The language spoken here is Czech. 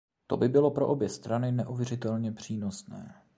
To by bylo pro obě strany neuvěřitelně přínosné.